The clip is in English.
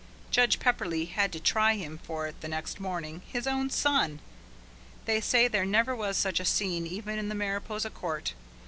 Judge Pepperleigh had to try him for it the next morning his own son. They say there never was such a scene even in the Mariposa court.